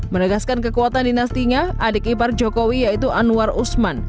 menegaskan kekuatan dinastinya adik ipar jokowi yaitu anwar usman